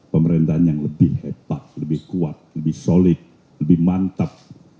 pemerintahan yang lebih hebat lebih kuat lebih solid lebih mantap